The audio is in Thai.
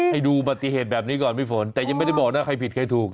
ให้ดูปฏิเหตุแบบนี้ก่อนพี่ฝนแต่ยังไม่ได้บอกนะใครผิดใครถูก